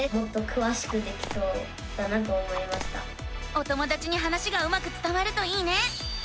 お友だちに話がうまくつたわるといいね！